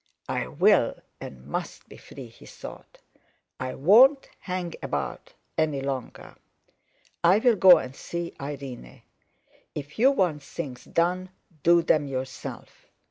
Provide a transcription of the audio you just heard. "I will and must be free," he thought. "I won't hang about any longer. I'll go and see Irene. If you want things done, do them yourself.